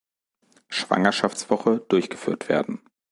Schwangerschaftswoche durchgeführt werden.